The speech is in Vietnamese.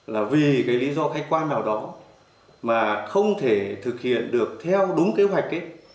là vì cái lý do khách quan nào đó mà không thể thực hiện được theo đúng kế hoạch ấy